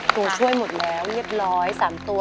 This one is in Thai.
ตัวช่วยหมดแล้วนี้๓ตัว